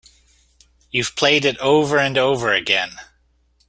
You've played it over and over again.